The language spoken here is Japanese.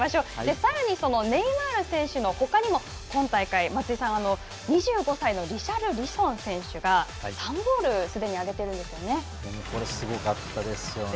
さらにネイマール選手の他にも今大会、松井さん２５歳のリシャルリソン選手が３ゴール、すでに挙げているんですよね。